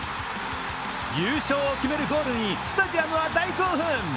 優勝を決めるゴールにスタジアムは大興奮。